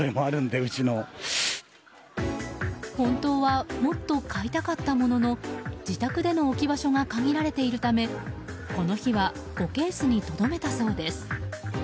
本当はもっと買いたかったものの自宅での置き場所が限られているためこの日は５ケースにとどめたそうです。